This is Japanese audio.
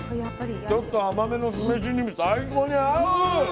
ちょっと甘めの酢飯に最高に合う！